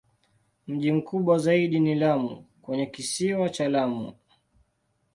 Mji mkubwa zaidi ni Lamu kwenye Kisiwa cha Lamu.